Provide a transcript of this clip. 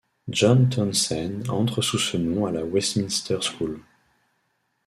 John Townsend entre sous ce nom à la Westminster School.